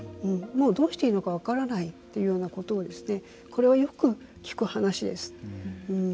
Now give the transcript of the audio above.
もうどうしていいのか分からないというようなことをこれはよく聞く話です。